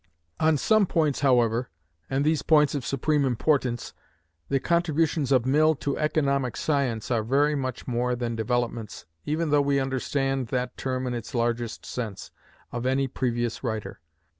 On some points, however, and these points of supreme importance, the contributions of Mill to economic science are very much more than developments even though we understand that term in its largest sense of any previous writer.